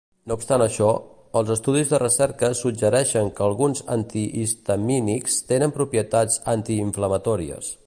No obstant això, els estudis de recerca suggereixen que alguns antihistamínics tenen propietats antiinflamatòries.